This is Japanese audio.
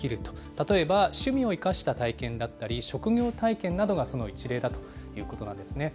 例えば趣味を生かした体験だったり、職業体験などがその一例だということなんですね。